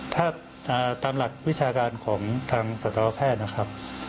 ถ้าตามหลักวิชาการของทางสัตวแพทย์นะครับ